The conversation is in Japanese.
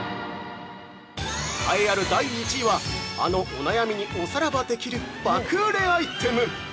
栄えある第１位はあのお悩みにおさらばできる爆売れアイテム！